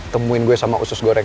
temuin gue sama usus goreng